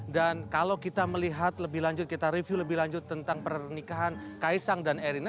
dan kalau kita melihat lebih lanjut kita review lebih lanjut tentang pernikahan kaisang dan erina